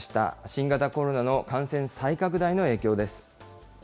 新型コロナの感染再拡大の影響です。